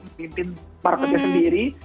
memimpin marketnya sendiri